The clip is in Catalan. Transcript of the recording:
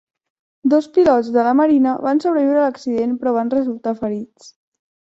Dos pilots de la marina van sobreviure a l'accident però van resultar ferits.